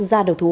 ra đầu thú